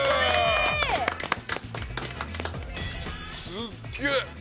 すっげえ！